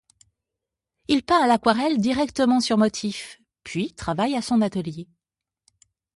Il peint à l'aquarelle directement sur motif, puis travaille à son atelier.